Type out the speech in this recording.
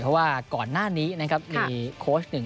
เพราะว่าก่อนหน้านี้โค้ช๑คน